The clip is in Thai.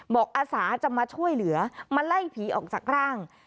อาสาจะมาช่วยเหลือมาไล่ผีออกจากร่าง